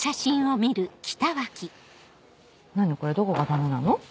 何これどこがダメなの？